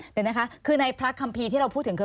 เดี๋ยวนะคะคือในพระคัมภีร์ที่เราพูดถึงคือ